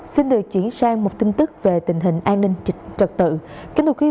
xin được chuyển sang một tin tức về tình hình an ninh trật tự